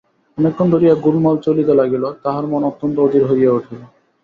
অনেকক্ষণ ধরিয়া গোলমাল চলিতে লাগিল– তাঁহার মন অত্যন্ত অধীর হইয়া উঠিল।